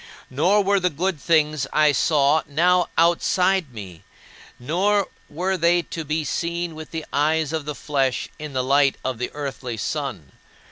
Nor were the good things I saw now outside me, nor were they to be seen with the eyes of flesh in the light of the earthly sun.